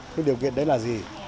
các điều kiện đấy là gì